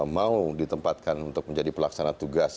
mau ditempatkan untuk menjadi pelaksana tugas